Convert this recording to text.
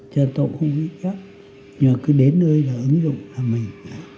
trên tổ không ghi chép nhưng cứ đến nơi là ứng dụng là mình